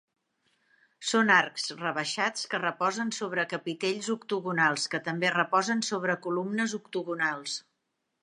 Són arcs rebaixats que reposen sobre capitells octogonals que també reposen sobre columnes octogonals.